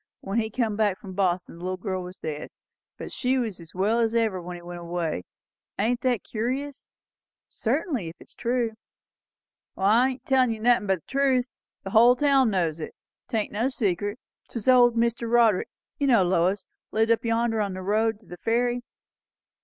When he come back from Boston, the little girl was dead; but she was as well as ever when he went away. Ain't that curious?" "Certainly; if it is true." "I'm tellin' you nothin' but the truth. The hull town knows it. 'Tain't no secret. 'Twas old Mr. Roderick, you know, Lois; lived up yonder on the road to the ferry.